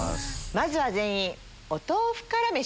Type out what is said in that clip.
まずは全員。